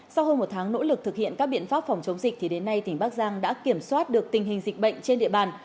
sau hơn một tháng nỗ lực thực hiện các biện pháp phòng chống dịch thì đến nay tỉnh bắc giang đã kiểm soát được tình hình dịch bệnh trên địa bàn